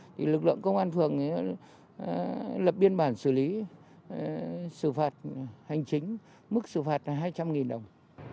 thì lực lượng công an phường đã lập biên bản xử lý xử phạt hành chính mức xử phạt là hai trăm linh đồng